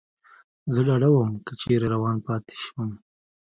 زه ډاډه ووم، که چېرې روان پاتې شم.